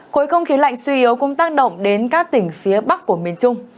khối không khí lạnh suy yếu cũng tác động đến các tỉnh phía bắc của miền trung